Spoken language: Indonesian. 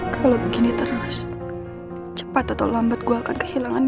kalau begini terus cepat atau lambat gue akan kehilangan